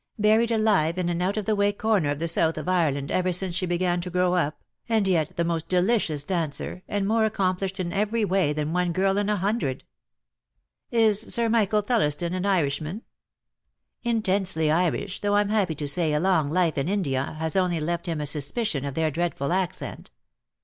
Buried alive in an out of the way corner of the South of Ireland ever since she began to grow up, and yet the most delicious dancer, and more accomplished in every way than one girl in a hundred." "Is Sir Michael Thelliston an Irishman?" Dead Love has Chains. lO 146 DEAD LOVE HAS CHAINS. "Intensely Irish, though I'm happy to say a long life in India has only left him a suspicion of their dreadful accent."